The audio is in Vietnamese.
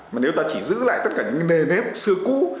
mà nếu ta chỉ giữ lại tất cả những nề nếp xưa cũ